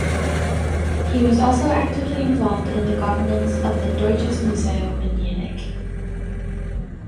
He was also actively involved in the governance of the Deutsches Museum in Munich.